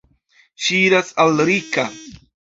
Ŝi iras al Rika.